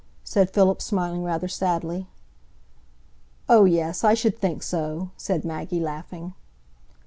said Philip, smiling rather sadly. "Oh, yes, I should think so," said Maggie, laughing.